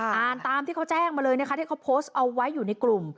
อ่านตามที่เขาแจ้งมาเลยนะคะที่เขาโพสต์เอาไว้อยู่ในกลุ่ม